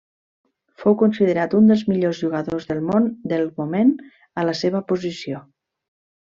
Fou considerat un dels millors jugadors del món del moment a la seva posició.